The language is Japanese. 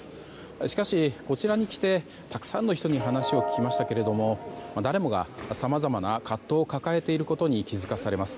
しかし、こちらに来てたくさんの人に話を聞きましたが誰もが、さまざまな葛藤を抱えていることに気づかされます。